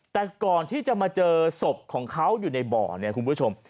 แต่ก่อนที่จะมาเจอศพของเขาอยู่ในบ่อเนี่ยคุณผู้ชม